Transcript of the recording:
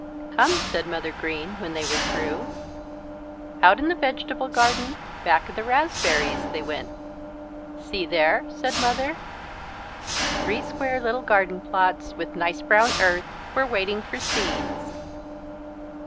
"Come," said Mother Green when they were through. Out in the vegetable garden, back of the raspberries they went. "See there," said Mother. Three square little garden plots with nice brown earth were waiting for seeds.